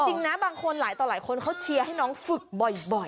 จริงนะบางคนหลายต่อหลายคนเขาเชียร์ให้น้องฝึกบ่อย